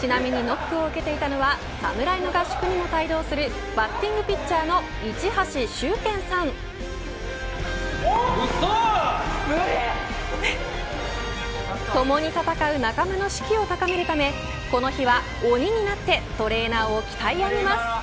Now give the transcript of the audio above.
ちなみにノックを受けていたのは侍の合宿にも帯同するバッティングピッチャーの市橋崇見さんをともに戦う仲間の士気を高めるためこの日は鬼になってトレーナーを鍛え上げます。